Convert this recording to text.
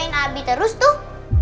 aku mau ngelakuin abi terus tuh